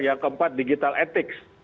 yang keempat digital ethics